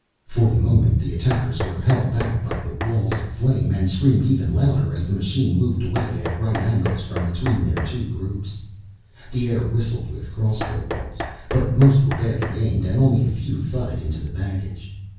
For the moment the attackers were held back by the walls of flame and screamed even louder as the machine moved away at right angles from between their two groups. The air whistled with crossbow bolts, but most were badly aimed and only a few thudded into the baggage.